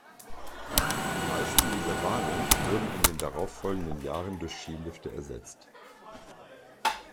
Die meisten dieser Bahnen wurden in den darauf folgenden Jahren durch Skilifte ersetzt.